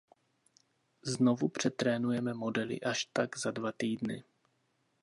Znovu přetrénujeme modely až tak za dva týdny.